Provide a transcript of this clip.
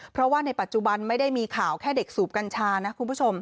เพราะว่าในปัจจุบันไม่ได้มีข่าวแค่เด็กสูบกัญชานะคุณผู้ชม